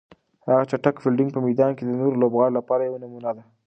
د هغه چټک فیلډینګ په میدان کې د نورو لوبغاړو لپاره یوه نمونه ده.